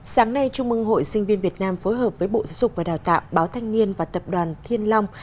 sáng nay trung mừng hội sinh viên việt nam phối hợp với bộ giáo dục và đào tạo báo thanh niên và tập đoàn thiên long